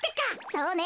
そうね！